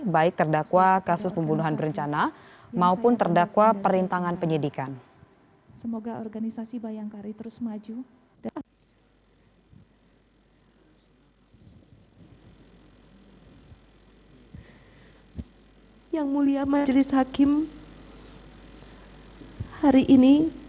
baik terdakwa kasus pembunuhan berencana maupun terdakwa perintangan penyedikan